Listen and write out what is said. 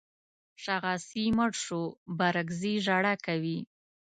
شاغاسي مړ شو بارکزي ژړا کوي.